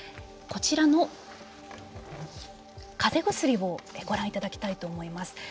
こちらのかぜ薬をご覧いただきたいと思います。